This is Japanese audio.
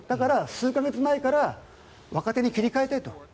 数か月前から若手に切り替えたいと。